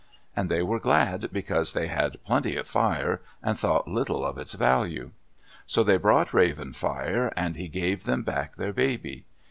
And they were glad, because they had plenty of fire and thought little of its value. So they brought Raven fire, and he gave them back their baby.